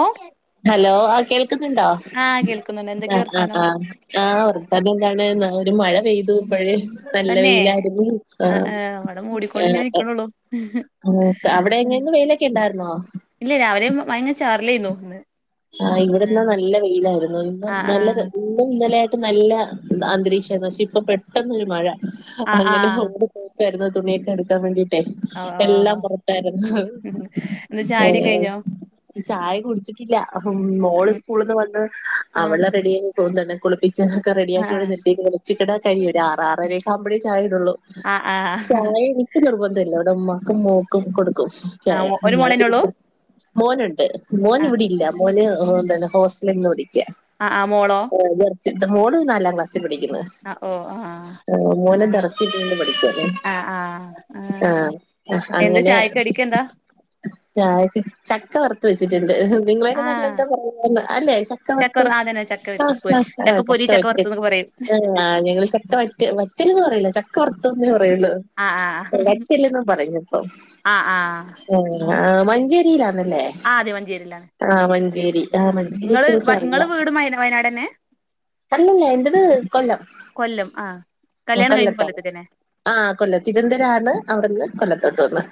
ഓ hello ആ കേൾക്ക്ന്നുണ്ടോ? ആഹ് കേൾക്കുന്നുണ്ട് എന്തൊക്കെ ആ ആ വർത്താനം ആ ആ ഓർക്കാതെണ്ടാണ് ഒരു മഴ പെയ് മഴ നല്ല തന്നെ വെയിലായിരുന്നു ആ ആഹ് ആഹ് ഇവിടെ മൂടിക്കൊണ്ട് ഇങ്ങനെ ആ നിക്കണള്ളൂ അവിടെ എങ്ങനെന്നു വെയ്ലൊക്കെ ഉണ്ടായിരുന്നോ? ഇല്ല രാവിലെയും മഴങ്ങ് ചാറിലായിരുന്നു ഇന്ന് ആ ഇവിടെന്നാ നല്ല വെയിലായിരുന്നു ഇന്ന് ആഹ് ഇന്നലെ ആഹ് ഇന്നും ഇന്നലായിട്ട് നല്ല അന്തരീക്ഷംന്ന് പക്ഷെ ഇപ്പൊ പെട്ടെന്നൊരു മഴ ആഹ് അങ്ങനെ ആഹ് ഓടി പോയി ക്കുവായിരുന്നു തുണിയൊക്കെ എടുക്കാൻ വേണ്ടിട്ടേ ഓ ഓ എല്ലാം പുറത്തായിരുന്നു എന്താ ഹോ ചായകുടി ഓ കഴിഞ്ഞോ ഓ ചായ കുടിച്ചിട്ടില്ലാ മോള് ആഹ് സ്കൂളിൽ നിന്ന് വന്ന് ആഹ് അവളെ റെഡിയായി കൊണ്ട് വന്ന് കുളി പിച്ചന ഒക്കെ റെഡിയാക്കിവിടെ നിട്ടേക്ക് വെച്ചിടാ കഴിയ ഒരുആറ് ആറര ആകുമ്പഴേ ചായഇടുള്ളു ആഹ് ചായ ആഹ് എനിക്ക് നിർബന്ധവില്ല ഇവിടെ ഉമ്മാക്കും മോക്കും കൊടുക്കും ചായ ആഹ് ഒരു ഞാൻ മോളന്നെ കുടി ഉള്ളൂ മോനുണ്ട് മോൻ ഇവിടെ ആഹ് ഇല്ല മോന് എന്താന്ന് ഹോസ്റ്റലി നിന്ന് പഠിക്ക് ആ ആമോളോ മോള് നാലാംക്ലസ് പഠിക്കുന്ന് ആഹ് ഓ ആഹ് മോന് ആഹ് ദറസി നിന്ന് പഠിക്കാണ് ആഹ് ആഹ് ആ ആഹ് എന്താ അങ്ങനെ ചായക്കടിക്കെന്താ ചായക്ക് ചക്ക വറുത്ത് വെച്ചിട്ട് ടുണ്ട് ആഹ് നല്ലന്താ പറയ അല്ലെ ചക്ക വറത്ത് ചക്കവർ അതന്നെ ചക്ക വറുത്തത് ആ ചക്കപ്പൊരി ചക്ക വ വറുത്തന്നൊക്കെ പറയും ആങ്ങള് ചക്ക വറ്റ വറ്റല്ന്ന് പറയില്ല ചക്ക വർത്തന്നെ പറയുള്ളൂ ആ ആ വറ്റൽ എന്ന പറഞ്ഞ ആ ആ ആ മഞ്ചേരിയിലാ ആ അതെ മഞ്ചേരിയിലാണ് മഞ്ചേരി ആ മഞ്ചേരിക്കെ ഇങ്ങള് എനിക്ക് ഇങ്ങള് അറിയാം വീടും വയ വയനാടന്നെ അലല്ല എന്റെത് കൊല്ലം കൊല്ലം ആ കല്യാണം കഴിഞ്ഞ് കൊല്ലത്തോ കൊല്ലത്ത് തന്നെ ആ കൊല്ലം തിരുവനന്തരാണ് അവിടുന്ന് കൊല്ലത്തോട്ട് വന്ന്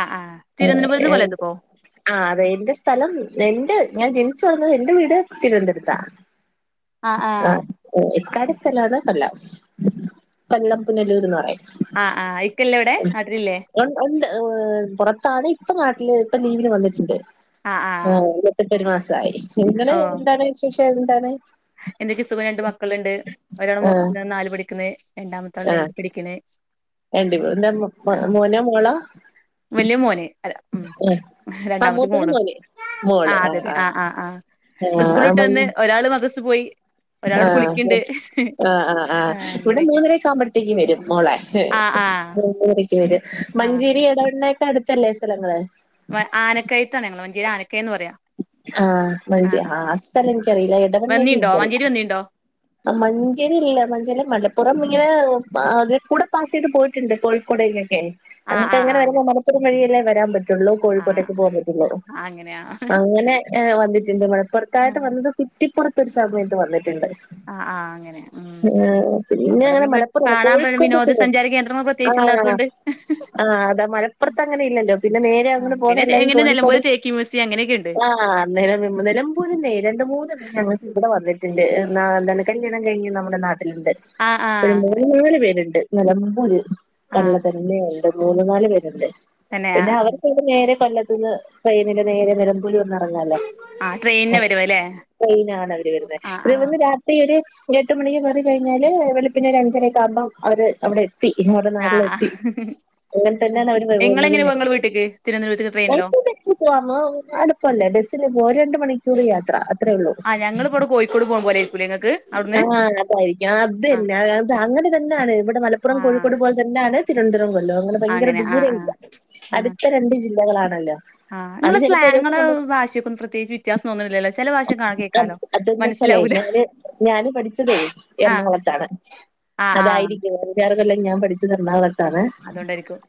ആ ആ തിരുവനന്തപുരന്ന് കൊല്ലത്ത്ക്കോ ആ അതെ എന്റെ സ്ഥലം എന്റെ ഞാൻ ജനിച്ച് വളർന്നത് എന്റെ വീട് തിരുവനന്തപുരത്താ ആ ഇക്കാടെ സ്ഥലമാണ് കൊല്ലം കൊല്ലം പുനലൂർന്ന് പറയും ആ ആ ഇക്കല്ലേ ഇവിടെ നാട്ടിലില്ലേ ഉ ഉണ്ട് പുറത്താണ് ഇപ്പ നാട്ടില് ഇപ്പ ലീവിന് വന്നിട്ടുണ്ട് ആ ഇതിപ്പോ ഒരു മാസയി നിങ്ങനെ എന്താണ് വിശേഷം എന്താണ് എന്തൊക്കെയ സുഖം രണ്ട് മക്കളുണ്ട് ആഹ് ഒരാണ് നാല് പിഠിക്കുന്നത് രണ്ടാമത്താള് രണ്ട് പഠിക്കാണ് എണ്ട എന്താ മോനോ മോളോ വലിയ മോന് ഉ ആഹ് ആ രണ്ടാമത്തെ മൂത്തത് മോള് മോന് ആ മോള് അതെ ആഹ് അതെ ആ ആ ഇപ്പൊ ആഹ് സ്കൂളിട്ട് വന്ന് ഒരാള് മദ ആ ആ ആ ആ ആഹ് ഇവിടെ അങ്ങനെയൊക്കെ മൂന്നരക്ക ആകുമ്പോഴത്തേക്കും വരും മോളെ ആഹ് ആഹ് മണിക്ക് വരും ആഹ് മഞ്ചേരി ഇടവെണ്ണയൊക്കെ അടുത്തല്ലേ സ്ഥലങ്ങള് ആനക്കയത്താണ് ഞങ്ങൾ മഞ്ചേരി ആനക്കയന്ന് പറയാ ആ ആഹ് മഞ്ചേ ആ ആഹ് ആ സ്ഥലം എനിക്കറിയില്ല എടവെണ്ണക്ക വന്നീണ്ടോ എനിക്കറിയാം മഞ്ചേരി വന്നീണ്ടോ ആ മഞ്ചേരില്ല മഞ്ചേരി മലപ്പുറം ഇങ്ങനെ കൂടെ പാസ് ചെയ്ത് പോയിട്ടുണ്ട് കോഴിക്കോടൊക്കെ ആഹ് അങ്ങിട്ട് എങ്ങനെ വരുമ്പോ ആഹ് [unintelligible] ഒരു വഴിയല്ലേ വരാൻ പറ്റും ആഹ് കോഴിക്കോട്ടേക്ക് പോകൻ അങ്ങനെ പറ്റല്ലോ ആഹ് അങ്ങനെയാ അങ്ങന ഇങ്ങെ വന്നിട്ടുണ്ട് മലപ്പുറത്തായിട്ട് ആഹ് വന്നത് കുറ്റിപ്പുറത്തരു സമയത്ത് വന്നിട്ട് ആഹ് അങ്ങനെ ഉം പിന്നെ അവിടെ അങ്ങനെ മലപ്പുറല്ല കാണാൻ കോഴിക്കോട്ക്ക വിനോദസഞ്ചാര കേന്ദ്രങ്ങൾ ആ പ്രത്യേകിച്ച് ഇല്ലാത്തോണ്ട് ആ അതാ മലപ്പുറത്ത് അങ്ങനെ ഇല്ലല്ലോ പിന്നെ നേരെ അങ്ങനെ പോണ എല്ലാരും കോഴിക്കോട് ചേക്ക് മസ്സി അങ്ങനെയക്കെ ഉണ്ട് ആ നിലമ്പൂരിന്ന് രണ്ട് മൂന്ന് വെട്ടം ങ്ങള് എവിടെ വന്നു ത്തിന്റെ കല്യാണം കഴിഞ്ഞ് നമ്മുടെ നാട്ടിലുണ്ട് ആഹ് ആഹ് ഒരു അങ്ങനെ മൂന്ന് നാല് പേരുണ്ട് നിലമ്പൂര് ആഹ് കൊല്ലത്ത് തന്നെ രണ്ട് മൂന്ന് നാല് പേരുണ്ട് തന്നെ പിന്നെ ആഹ് അവർക്കടെ നേരെ കൊല്ലത്ത് ട്രെയിനിന് നേരെ നിലമ്പൂര് വന്ന് ല്ലോ ആഹ് ട്രെയിനിന് വരുവല്ലേ ട്രെയിന് ആണ് അവര് വരുന്ന ആഹ് അതെ ആഹ് പോലെ രാത്രി ഒരു ഒരു എട്ട് മണിക്ക് കേറി കഴിഞ്ഞാല് വെളിപ്പിന്നെ ഒരു അഞ്ചര ഒക്ക ആകുമ്പം അവര് അവിടെ എ എത്തി നമ്മടെ നാട്ടില് ആഹ് എത്തി അങ്ങനെ ആഹ് തന്നെയാണ് അവര് പോകുന്നതും നിങ്ങളെങ്ങനെ പോവാ ഇങ്ങളെ വരുന്നതും വീട്ട്ക്ക് തിരുവനന്തപുരത്ത്ക്ക് ട്രെയിനിലോ [unintelligible] കുഴപ്പല്ലേ ബസില് പോ രണ്ട് മണിക്കൂർ യാത്ര അത്രയേ ഉള്ളൂ ആ ഞങ്ങള് ഇപ്പോ കോഴിക്കോട് പോണ പോലെ ആയിരിക്കൂലേ ഇങ്ങക്ക് അവിടുന്ന് ആഹാ അതായിരിക്കും ആ അത്തന്നെ അങ്ങനെ തന്നെയാണ് ഇവിടെ മലപ്പുറം ആ കോഴിക്കോട് പോലെ തന്നെ. നാ ണ് തിരുവനന്തപുരം കൊല്ലം അങ്ങനെ ഭയങ്കര ആ ദൂര ആ ഇല്ല അടുത്ത രണ്ട് ജില്ലകളാണല്ലോ ആഹ് അത് നിങ്ങള ചിലപ്പോ ഒരു ദിവസം സ്ലങ്ങളുടെ നമ്മൾ ഭാഷയക്കൊ പ്രത്യേകിച്ച് ത്യാസന്നുമില്ലല്ലോ ചില ഭാഷ കേൾക്കാലോ മനസ്സിലാവു പിന്നെന്തെ ഞാന് പഠിച്ചതേ ആ എറണാകുളത്താണ് ആ ആ അതായിരിക്കും വേറെക്കാറക്കല്ലാം ഞാൻ പഠിച്ചത് എറണാകുള അതൊണ്ടായിരിക്കും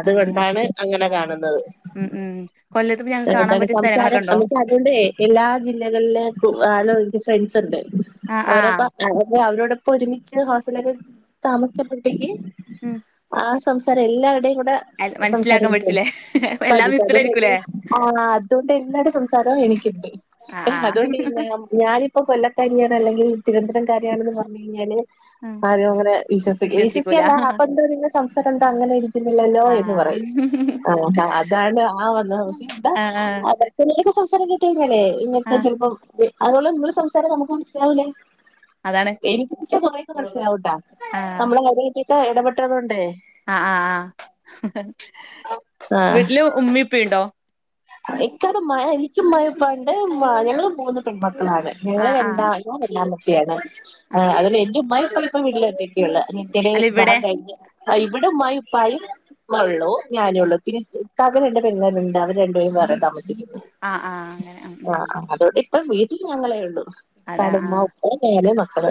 അതുകൊണ്ടാണ് അങ്ങനെ കാണുന്നത് ഉം ഉം കൊല്ലത്ത് ഞങ്ങക്ക് കാണാൻ എന്താണ് പറ്റിയ സ്ഥലങ്ങളൊക്കെ സംസാരം ഉണ്ടോ എന്നച്ചാ അ കൊണ്ട് എല്ലാ ജില്ലകളിലെ ആളും നിക് ഫ്രണ്ട്സ് ഉണ്ട് ആ ആ അവരപ്പ അവ അവരോടൊപ്പ ഒരുമിച്ച് ഹോസ്റ്റലിലൊക്കെ താമസപ്പെട്ടേക്ക് ഉം ആ സംസാരം എല്ലാ ടെയും അല്ല അതൊണ്ട് മനസ്സിലാക്കാൻ സംസാരയിക്കോ പഠിച്ചില്ലേ എല്ലാം മിക്സഡ് പഠിച്ചതെ ആയിരിക്കൂലേ പഠി അതോണ്ട് എല്ലാരെ സംസാരം നിക്കിപ്പോയി ആ ആ അതുകൊണ്ട്ഞ ഞാനിപ്പോ കൊല്ല കാര്യ അല്ലെങ്കിൽ തിരുവന്തരം കാര്യണെന്ന് പറഞ്ഞു കഴിഞ്ഞാല് ആദരും അങ്ങനെ വിശ്വസ വിശ്വസിക്കൂല വിശ്വസിക്കല്ല അപ്പൊ എന്താ നിങ്ങ സംസാരം എന്താ അങ്ങനെ ഇരിക്കുന്നില്ലല്ലോ ആ എന്ന് പറഞ്ഞു അതാണ് ആ വന്നസന്തെ ആ ആ [unintelligible] സംസാരം കേ ങ്ങനെ ആ ഇങ്ങക്ക് ചിലപ്പം അതോള്ള നി സംസാരം നമുക്ക് മനസ്സിലാവ്ണ്ട്. അതാണ് എനിക്ക് പച്ച കുറേ യൊക്കെ മനസ്സിലാവട്ടാ ആ നമ്മള അക്കൊക്കെ ഇടപെട്ടത്കൊ ണ്ടേ ആ ആഹ് ആ വീട്ടില് ഉമ്മിപ്പി ഉണ്ടോ എക്കാണ് മഴ എനിക്കും മഴ പണ്ട ഞങ്ങള് മൂന്ന് പെൺമാ മാണ് ഞങ്ങള് ആഹ് ആഹ് രണ്ടാ രണ്ടാമത്ത ആണ് ആഹ് അതണ്ട് എറ ഉമ്മായി പ ഇപ്പം വീട്ടില ഒറ്റേക്കെയുള്ള അന്റെ അല്ല ഇവിടെ ഭാഗമായി ഇവിടെ ഉമായി ഉപ്പായും വള്ളോ ഞാനള്ളൂ പിന്നെ ക രണ്ട് പെണ്മാാരുണ്ട് അവര് രണ്ടുപേരും വേറെ താമസിക്കുന്നു ആഹ് ആഹ് ആഹ് അങ്ങനെ ഉം ആ ഉം ആ് അതോടെ അ വീട്ടിൽ ഞങ്ങളേ ഉള്ളു അതാ കടുമ ആഹ് ഉപ്പ നേനെ മക്കള്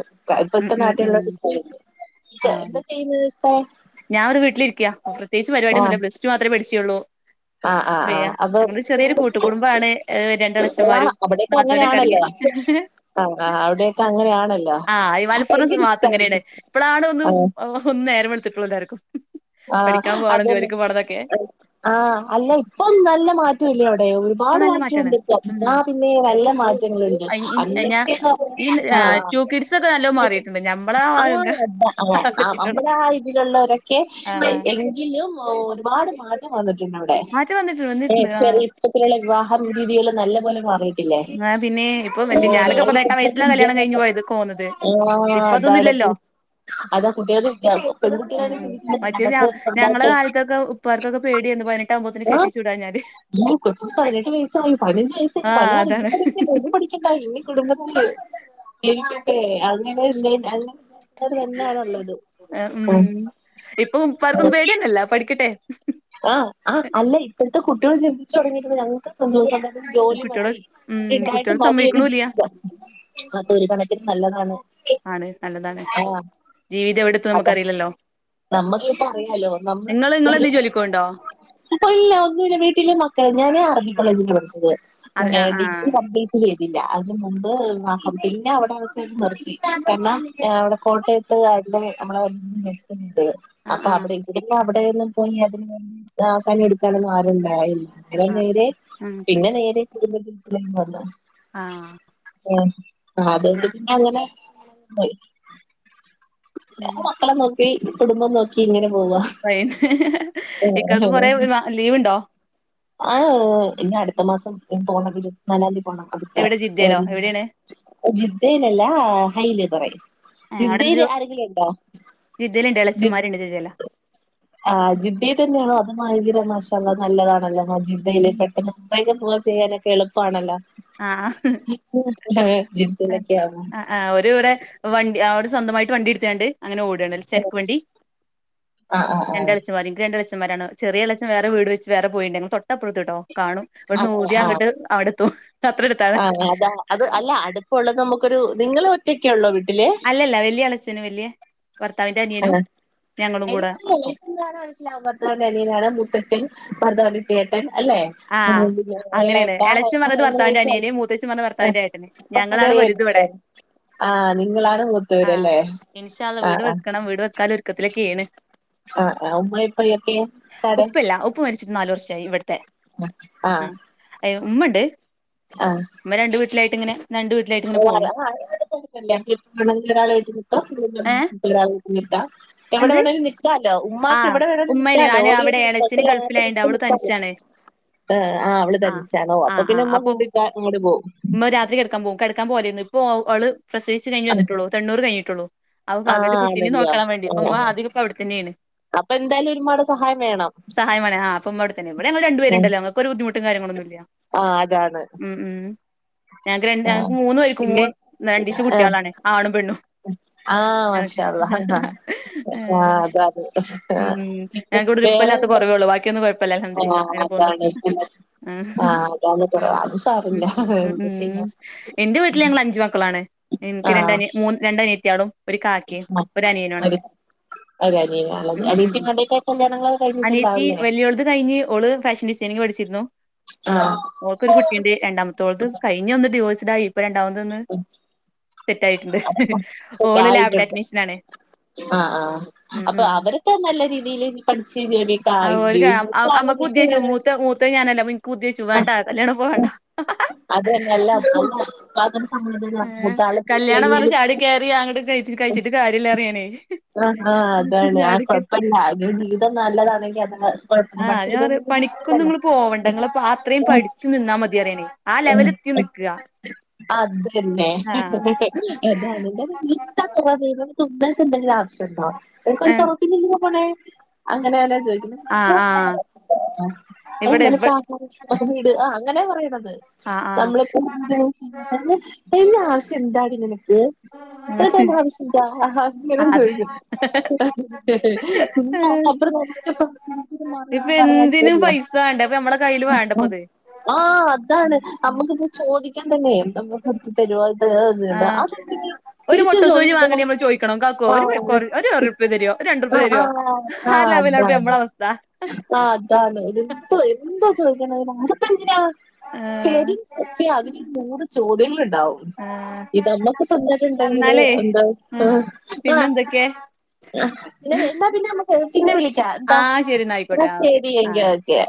ഉം ഇപ്പത്തെ ഉം നാട്ടിലോ ഉം പോ ഇ എന്താ ആഹ് ചെയ്യുന്നത് ഇക്ക ഞാൻ ഒരു വീട്ടിലിരിക്ക അ പ്രത്കിച്ച് പരിപാടൊന്നുമില്ല ആഹ് പ്ലസ്ടു മാത്രമേഠിച്ചുള്ളൂ ആഹ് ആഹ് വ്യ ആഹ് അപ്പൊ ഞങ്ങള് ചെറിയൊരു കൂട്ട കുടബാണ് രണ്ട അഛന്മാരും ആഹ് അവിടെയൊക്കെ നാത്തനൊക്കെടങ്ങ അങ്ങനെയാണല്ലോ ആഹ് ആഹ് അവിടെയൊക്കെ അങ്ങനെയാണല്ലോ ആ മലപ്പുറം ഭയങ്കര ഭാഗത്ത് ഇങ്ങനെയാണ് ഇഷ്ടായിരിക്കും ഇപ്പഴാണ് ഒന്ന് ആ ഒ ഏവടുട്ടു ആ അതെ പോകണംന്നൊക്കെ ആഹ അല്ല ഇപ്പൊ നല്ല മാറ്റല്ല അവിടെ ഇപ്പൊ ഒരുപാട് നല്ല മാറ്റാണ് മാറ്റംണ്ട് പിന്നെ നല്ല മാറ്റ ഉം ഞാൻ ഈ ടു കിഡ്സ് ഒക്കെ നല്ലോ മാറിയിട്ടുണ്ട് അ ഞമ്മളെ ആ ആ ആ നമ്മടെ ആഹ് ആ ഇതിലുള്ളവരൊക്കെ ആഹ് എങ്കിലും ഒരുപാട് മാറ്റ വന്നിട്ടുണ്ട് അവിടെ മാറ്റം വന്നിട്ടുണ്ട് വന്നിട്ടുണ്ട് ആഹ് ചെറിയ ഇത്തരത്തിലുള്ള വിവാഹ രീതികള് നല്ല പോലെ മാറി ആഹ് പിന്നെ ഇപ്പൊ മറ്റേ ഞാനൊക്കെ പതിനെട്ടാം വയസ്സിലാ കല്യാണം കഴിഞ്ഞു [unintelligible] പോയതൊക്കെ പോന്നത് ആഹ് ഇപ്പൊ അതാണ്. ഉ അതൊന്നുമില്ലല്ലോ അതാ കുട്ടികൾ ഇണ്ടും പെൺകുട്ടികള ഉം ച മറ്റേത് ഞാ നക്ക് ഉണ്ടാവട്ടെ എ പതിനട്ട്കുമ്പത്തത്തിന് കെട്ടിച്ചൂടാഞാടി ആ കൊച്ച് പതിനെട്ട് വയസ്സായി പതിനഞ്ച് വയസ്സ ആഹ് പതിന ഇ അതാണ് പഠിക്ക ഒന്നും പഠിക്കണ്ട കുടുംബത്തി അങ്ങനെ തന്നെയാണുള്ളത് ഉ ഇപ്പൊ പർക്കൊന്നും പേടിയന്നല്ല പഠിക്കട്ടെ ആ് ആ ഇപ്പോഴത്തെ കുട്ടികൾ ചിന്തിച്ചു തുടങ്ങിട്ടുണ്ട് ഞങ്ങൾക്ക് സന്തോഷം ജോലി കുട്ടിയോള് മതി ഉം ഉണ്ടായിട്ട് കുട്ടിയോള് മതി ഒരു സമ്മതിക്കണൂല്ല ജീവിതം അതൊ ഒരു കണക്കിന് നല്ലതാണ് ആണ് നല്ലതാണ് ആഹ് ജീവിതം എടുത്ത നമുക്ക് അറിയില്ലല്ലോ നമ്മക്ക് പറയാലോ നമ്മ എന്തോ അപ്പൊ ഇല്ല ഒന്ന വീട്ടിലെ മക്കളെ ഞാനൻ ആർമി ആഹ് കോളേജിൽ പഠിച്ചത് അറി ആഹ് ഡിഗ്രി ആഹ് കംപ്ലീറ്റ് ചെയ്തില്ല അതിനുമ്പ്ക്ക പിന്നെ അവിടെ വച്ചത് നിർത്തി കാരണം അവിടെ കോട്ടയത്ത് അടെ ന [inaudible] ആഹ് അപ്പൊ ആഹ് അവിടെ എടെിലും അവിടെന്നും പോയി അതിന് ണ്ടി പണിയെടുക്കാനൊന്നും ആരുംണ്ടായിില്ല അങ്ങനെ ആഹ് നേരെ ഉം പിന്നെ നേരെ കുടുംബീ വന്നു ആ! ആ അതുകൊണ്ട് പിന്നെ അങ്ങനെ ഉം! ഈ കുടുംബം നോക്കി ഇങ്ങനെ പോവാ ന് ഇക്കൾക്ക് കൊറേ ലീവ് ഉണ്ടോ ആ ഇല്ല അടുത്ത മാസം പോണെങ്കിലും നാലാം - അടുത്ത എവിടെ ജിദ്ദേലോ എവിടെയാണ് ജിദ്ദയിലല്ല ഹൈല് പറയും ഹ് അവിടെ എന്ത് ജിദ്ദേല ജിദിയ തന്നെയണോ ഭയങ്കര മാഷാഅള്ള നല്ലതാണല്ലോ മജിദയിലൽ പെട്ടെന്ന് മുമ്പൈക്ക പോകൻ ചെയ്യാനൊക്കെ എളുപ്പണല്ലോ ആ ജിദ്ദയിലൊക്കെ ആവുമ്പോ ആ ആ ഒരു ഇവിടെ വണ്ടി അവര് സ്വന്തമായി വണ്ടി എടുത്തണ്ട് അങ്ങനെ ഓട ചരക്ക് വണ്ടി ആ ആ ആ രണ്ടാച്ച മതി രണ്ടാ ര ചെറിയ ഇളേച്ചൻ വേറേ വീട് വേറെ പോയിണ്ടെ തൊട്ടപ്പുറത്ത കേട്ടോ കാണും ഇവിടുന്ന് ഊതി ആ ആ അങ്ങിട്ട് അവിടെത്ത ആ അത അത് അല്ല അടുപ്പ ഉള്ളത് നമുക്കൊരു നിങ്ങളെ ഒറ്റക്കെ ഉള്ളോ വിട്ട അല്ലല്ല വല്യ അളച്ചേന് വല്യ ഭർത്താവിന്റെ ആ അനിയനും ഞങ്ങളും കൂടെ എനിക്കൊ ഒപ്പം മാസം ഗാന മനസ്സിലാവകുമ്പോത്തൊണ്ട് തനനാണ് മുത്തച്ഛൻ പദ്വതി തയേട്ട ആ അല്ലേക്ക അങ്ങനെയാണ് എളച്ചൻ പറഞ്ഞത് ഭർത്താവിന്റെ അനിയന് മൂത്തച്ചൻ പറഞ്ഞത് ഭർത്താവിന്റെ ഏട്ടന് ഞങ്ങളാണ് വലുത് ഇവിടെ ആ നിങ്ങളാണ് മൂത്തൂരല്ലേ ആ! ആ! ണം വീട് വെക്കാല ഒരുക്കത്തിലൊക്കെയണ് ആഹ് ആഹ് ഉമ്മയും ഉപ്പയൊക്കെ ഉപ്പല്ല ഉപ്പ് മരിച്ചിട്ട് നാലല് വർഷായി ഇവിടത്തെ ആഹ! ഉമ്മ ഉണ്ട് ഉമ്മ രണ്ട് വീട്ടിലായിട്ട് ഇങ്ങനെ രണ്ട് വീട്ടിലായിട്ട് ഇങ്ങനെ പോന്നു ഒരാളട്ട് നിക്കാം ഏഹ് ഒരാട്ട് നിക്കാം എവിടെ എന്ത് എവിണേ നിൽക്കാ ല്ല ഉമ്മാക്ക് ആഹ് ഇവിടെ വണന്ന് ഉമ്മേന് നൽക്കാാലോ അയ്ന് അവിടെ ഓടിയോടി ഏളച്ചന് ഉമ്മാക്ക ഗൾഫിലായോണ്ട് അവള് നിക്കാ തനിച്ചാണ് ആർ ആ അവള് ആഹ് തനിച്ചാണോ അപ്പൊ ആഹ് പിന്നെ ആഹ് ഉമ്മ കൂട്ടിക്കാ അങ്ങോട്ട് പോകവും ാ പോ ഇപ്പോ അവള് പ്രസയിച്ച കഴിഞ്ഞ് വന്നിട്ടുള്ളൂ തൊണ്ണൂർ കഴിഞ്ഞിട്ടുള്ളൂ അപ്പൊ ആഹ് പകുതി ആണല്ല്യോ കുട്ടീനോക്കാൻ വേണ്ടി ഇപ്പ ആഹ് ആഹ് അധികം ഇപ്പ അവിടെത്തന്നെയാണ് അപ്പൊ എന്തായാലും ഒരുമ്മാടെ സഹായം വേണം സഹായമാേ ആ അപ്പം അവിടെത്തന്നെ ഇവിടെ ഞങ്ങള് രണ്ടുപേരുണ്ടല്ലോ ഞങ്ങക്കൊരു ബുദ്ധിമുട്ട് ട്ടും കാര്യങ്ങളൊന്നില്ല ആഹ! അതാണ്. ഞങ്ങക്ക് രണ്ട് ആഹ് ഞങ്ങക്ക് മൂന്നന്ന് വരിക്കും മൂ പിന്നെ രണ്ടീച്ച ആഹ് കുട്ടികളാണ ആണും പെണ്ണു ആഹ് മഷ അ ആഹ ഏഹ് അതെ അതെ ഉം ഇ വേറെ എന്താ ഇല്ലതിരില്ല ആഹ് അങ്ങനെ പോുന്നു അതാണ് പിന്നെ ആ ആഹ് അതാണ് കുറവ് അത് സാരല്ല ഉ ഉ എന്താ ചെയ്യാ എന്റെ വീട്ടിൽ ഞങ്ങൾ അഞ്ച മക്കളാണ് എനിക്ക് ആഹ് രണ്ടന മൂ രണ്ട അനിയത്തിയാടും ഒരു കാക്കയും ഒരു അനിയനുണത് ഒരു ഒരനിയനാള്ളത് ഉം ഉം ഉ അനിയത്തിമാരുടെയൊക്കെ കല്യാണങ്ങളൊക്കെ അനിയത്തി കഴിഞ്ഞിട്ടുണ്ടാവുല്ലേ വലിയളത് കഴിഞ്ഞ് ഓള് ഫാഷൻ ഡ തനി പഠിച്ചിരുന്നു ആഹ് മൾക്കൊരു കുട്ടിയണ്ട് രണ്ടാമത്തോളത് കഴിഞ്ഞ ഒന്ന് ഡിവേഴ്സഡായി ഇപ്പ രണ്ടാമതൊന്ന് സെറ്റ് ആയിട്ടുണ്ട് ഓള് ലാബ് ടെക് നീക്ഷൻ ആണ് ആഹ! ആഹ! ഉം അപ്പൊ ഉം അവര്- ഇപ്പ നല്ല രീതിയിൽ പഠിച്ചക്ക അവർക്ക് ചുണ്ടാ കല്യാണം പോകണ്ടാ അതന്നെ അല്ല അല്ല ഉപ്പാക്കൊരു സമാധാനാ ഏ മൂത്താള് പോയി കല്യാണം പറ കഴിഞ്ഞാല് ചാടി കയറ അങ്ങട്ട കഴ കഴിച്ചിട്ട് കാര്യല്ല അറിയാനേ അണ്ണാ അതി ജീവിതം നല്ലതാണെങ്കിൽ അത് കൊഴപ്പല്ല ആഹ് പഠിച്ച് ഞാ പറ വിടും പണിക്കൊന്നും ണ്ടല്ലോ നിങ്ങൾ പോവണ്ട ഇങ്ങൾ പാത്രയും പഠിച്ചു നിന്നാ മതി അറിയണേ ആ ലെവല് എത്തി നിക്ക അതന്നെ അതിൻ്റെ [unintelligible] [unintelligible] ഏഹ് കൊറപ്പില്ല പോണെ അങ്ങനെയാണ ചോദിക്കുന്നത് ആഹ് ആഹ് [unintelligible] ഇവിടെ എങ്ങനെത്ത ഇവ അപ്പ വീട് ആ അങ്ങനെ പറയണത് ആഹ് നമ്മളിപ്പോ [unintelligible] എല്ലാ ആവശ്യം എന്താണ് ഇങ്ങനേ ആഹ് അത് [unintelligible] [unintelligible] ഇച്ചി മാറി ഇപ്പൊ എന്തിനും പറയാല്ലല്ലോ പൈസ വേണ്ടേ അപ്പൊ നമ്മളെ കയ്യില് വേണ്ടപ്പത് ആ അതാണ് നമ്മുക്കിപ്പോ ചോദിക്കാൻ തന്നെ നമ്മക്ക് ഒത്ത് തരു ആഹ് [unintelligible] ഒരു തിരിച്ച് ചോദി മുട്ടസൂചി വാങ്ങണേ [unintelligible] നമ്മള് ചോദിക്കണം കാക്കോ ഒരു കൊറ- ഒരു ഒരുപ്യ തരുവോ ഒരു ആ രണ്ടുപ്യ തരുവോ ആ ലെവലാണ് ഇപ്പൊ അതാണ് നമ്മളെ അവസ്ഥ ആ അതാണ് എന്തോ എന്തോ ചോദിക്കണങ്കിലും ഇതിപെന്തിനാ ആഹ് [unintelligible] പക്ഷേ അതിന് മൂന്ന് ചോദ്യങ്ങള്ണ്ട് ണ്ടാവും ഇ ആഹ് നമ്മക്ക് സ്വന്തായിട്ട്ണ്ടെങ്കില് എന്നാലേ എന്താ ആ ആ പിന്നെന്തൊക്കെ ഞാ എന്നാ വേണ്ട പിന്നെ നമ്മക്ക് പിന്നെ വിളിക്കാം ആ എന്താ ശരി എന്നാ എന്ന ആയിക്കോട്ടെ ആ ഓക്കെ ശെരി ആ എങ്കി ഒക്കെ